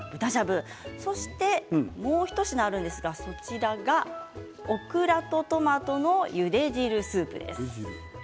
もう一品あるんですがオクラとトマトのゆで汁スープです。